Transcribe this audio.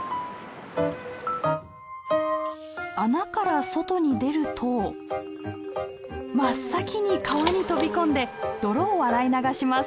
穴から外に出ると真っ先に川に飛び込んで泥を洗い流します。